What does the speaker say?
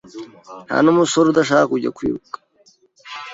Nsa numusore udashaka kujya kwiruka?